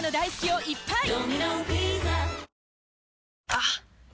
あっ！